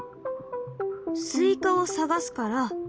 スイカを探すから。